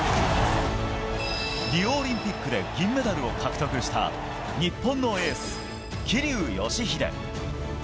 リオオリンピックで銀メダルを獲得した日本のエース、桐生祥秀。